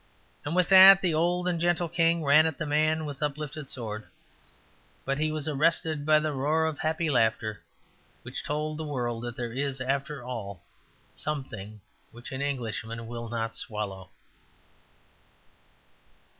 And with that the old and gentle king ran at the man with uplifted sword; but he was arrested by the roar of happy laughter, which told the world that there is, after all, something which an Englishman will not swallow.